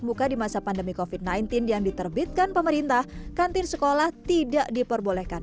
muka di masa pandemi kofit sembilan belas yang diterbitkan pemerintah kantin sekolah tidak diperbolehkan